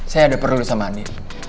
saya ada perlu sama ani